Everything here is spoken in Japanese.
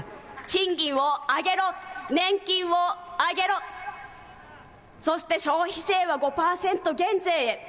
賃金を上げろ、年金を上げろ、そして、消費税は５％減税へ。